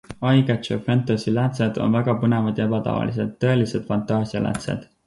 EyeCatcher Fantasy läätsed on väga põnevad ja ebatavalised, tõelised fantaasialäätsed.